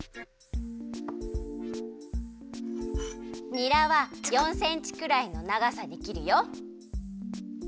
にらは４センチくらいのながさにきるよ。